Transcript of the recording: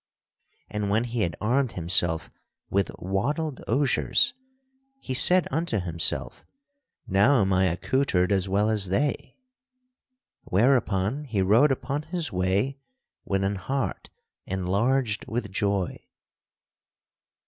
And when he had armed himself with wattled osiers he said unto himself, "Now am I accoutred as well as they." Whereupon he rode upon his way with an heart enlarged with joy.